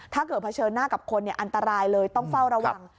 เผชิญหน้ากับคนอันตรายเลยต้องเฝ้าระวัง